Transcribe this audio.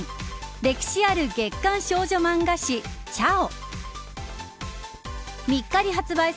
歴史ある月刊少女漫画誌ちゃお。